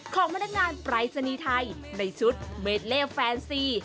ของพนักงานปรายศนีย์ไทยในชุดเมดเล่แฟนซี